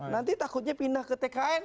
nanti takutnya pindah ke tkn